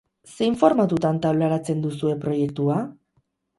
Zein formatutan taularatzen duzue proiektua?